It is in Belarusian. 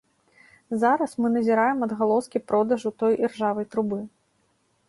Зараз мы назіраем адгалоскі продажу той іржавай трубы.